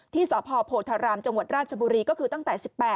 ที่สพโพธารามจังหวัดราชบุรีก็คือตั้งแต่๑๘